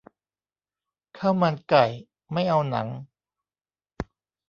ข้าวมันไก่ ไม่เอาหนัง